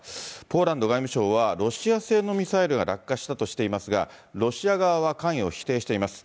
ポーランド外務省は、ロシア製のミサイルが落下したとしていますが、ロシア側は関与を否定しています。